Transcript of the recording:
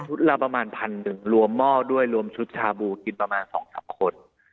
ชุดเราประมาณ๑๐๐๐บาทรวมหม้อด้วยรวมชุดชาบูกินประมาณ๒๓คน